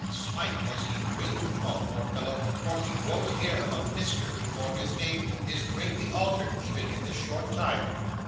Smike, as he WILL be called, poor fellow! for he won't hear of a MR before his name, is greatly altered, even in this short time.